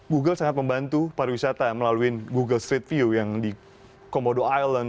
google sangat membantu pariwisata melalui google street view yang di komodo island